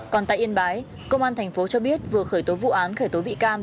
còn tại yên bái công an tp cho biết vừa khởi tố vụ án khởi tố bị can